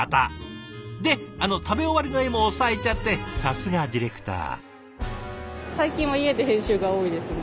で食べ終わりの絵も押さえちゃってさすがディレクター。